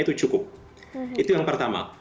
itu cukup itu yang pertama